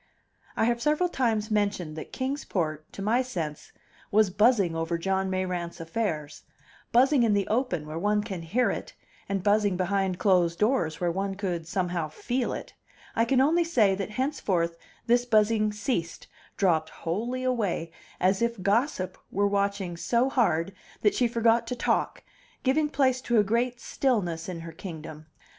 I have several times mentioned that Kings Port, to my sense, was buzzing over John Mayrant's affairs; buzzing in the open, where one could hear it, and buzzing behind closed doors, where one could somehow feel it; I can only say that henceforth this buzzing ceased, dropped wholly away, as if Gossip were watching so hard that she forgot to talk, giving place to a great stillness in her kingdom.